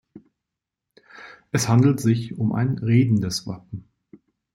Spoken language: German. Es handelt sich um ein redendes Wappen.